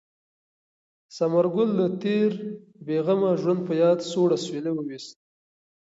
ثمر ګل د تېر بې غمه ژوند په یاد سوړ اسویلی ویوست.